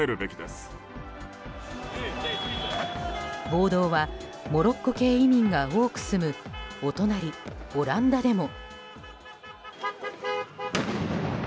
暴動はモロッコ系移民が多く住むお隣オランダでも。